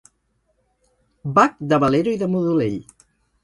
Bach, de Valero i de Modolell.